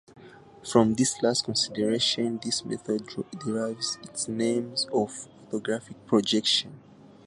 From this last consideration this method derives its name of orthographic projection.